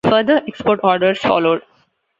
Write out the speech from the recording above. Further export orders followed.